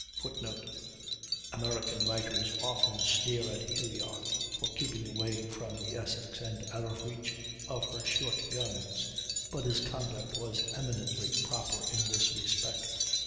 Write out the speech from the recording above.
[Footnote: American writers often sneer at Hilyar for keeping away from the Essex, and out of reach of her short guns; but his conduct was eminently proper in this respect.